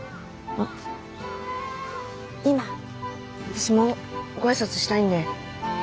私もご挨拶したいんで。